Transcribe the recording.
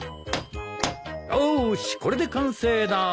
よしこれで完成だ。